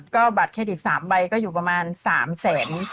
ก็บัตรเครดิต๓ใบก็อยู่ประมาณ๓แสน